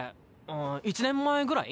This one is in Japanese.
んん１年前ぐらい？